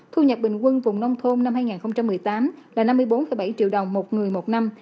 thu nhập bình quân vùng nông thôn năm hai nghìn một mươi tám là năm mươi bốn bảy triệu đồng một người một năm